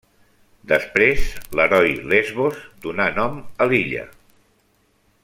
Després l'heroi Lesbos donà nom a l'illa.